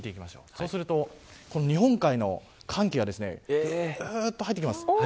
そうすると日本海の寒気が入ってきます。